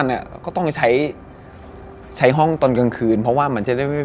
นี่คือผี